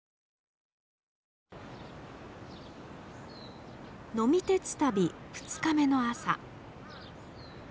呑み鉄旅二日目の朝。